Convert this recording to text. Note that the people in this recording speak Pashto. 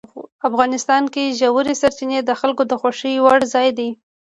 افغانستان کې ژورې سرچینې د خلکو د خوښې وړ ځای دی.